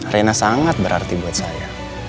rena sangat berarti buat saya